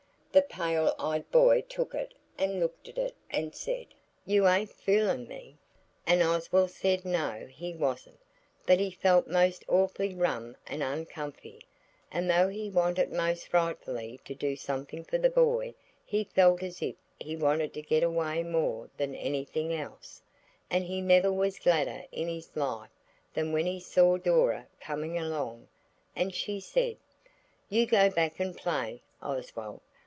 The pale eyed boy took it and looked at it and said– "You ain't foolin' me?" And Oswald said no he wasn't, but he felt most awfully rum and uncomfy, and though he wanted most frightfully to do something for the boy he felt as if he wanted to get away more than anything else, and he never was gladder in his life than when he saw Dora coming along, and she said– "You go back and play, Oswald.